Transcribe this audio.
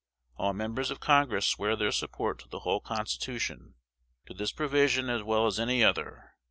All members of Congress swear their support to the whole Constitution, to this provision as well as any other.